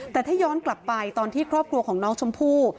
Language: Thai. แต่ถ้าย้อนกลับไปตอนที่ครอบครัวของน้องชมพู่